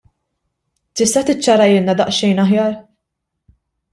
Tista' tiċċarahielna daqsxejn aħjar?